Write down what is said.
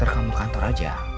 kamu kantor aja